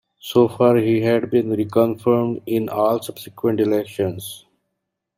So far he had been reconfirmed in all subsequent elections.